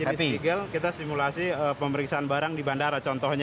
jadi spiegel kita simulasi pemeriksaan barang di bandara contohnya